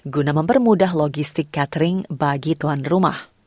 guna mempermudah logistik catering bagi tuan rumah